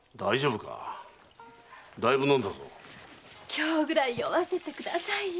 今日ぐらい酔わせてくださいよ